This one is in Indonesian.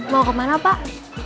mau kemana pak